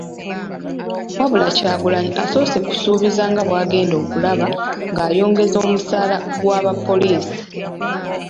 Wabula Kyagulanyi asoose kusuubiza nga bw'agenda okulaba ng'ayongeza omusaala gw'abapoliisi.